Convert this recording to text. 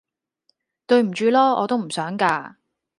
對唔住囉！我都唔想架